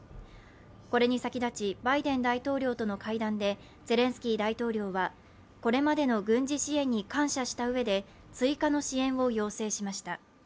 これに先立ち、バイデン大統領との会談でゼレンスキー大統領はこれまでの軍事支援に感謝したうえで追加の支援を要請しました。